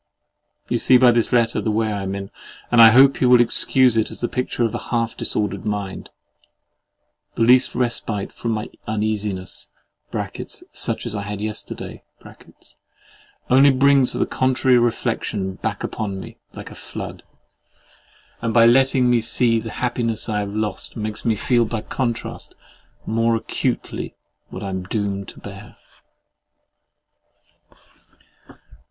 — You see by this letter the way I am in, and I hope you will excuse it as the picture of a half disordered mind. The least respite from my uneasiness (such as I had yesterday) only brings the contrary reflection back upon me, like a flood; and by letting me see the happiness I have lost, makes me feel, by contrast, more acutely what I am doomed to bear.